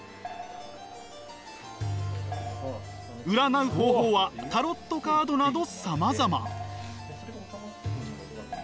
占う方法はタロットカードなどさまざま。